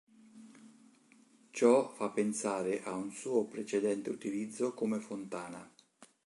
Ciò fa pensare a un suo precedente utilizzo come fontana.